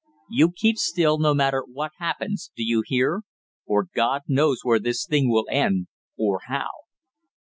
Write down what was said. You keep still no matter what happens, do you hear? Or God knows where this thing will end or how!"